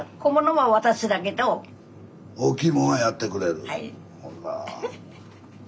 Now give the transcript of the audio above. はい。